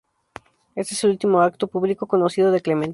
Éste es el último acto público conocido de Clemente.